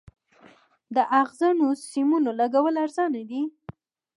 د اغزنو سیمونو لګول ارزانه دي؟